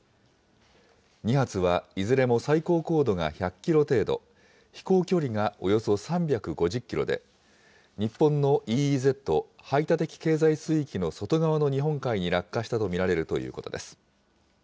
２発はいずれも最高高度が１００キロ程度、飛行距離がおよそ３５０キロで、日本のＥＥＺ・排他的経済水域の外側の日本海に落下したと見られるということです。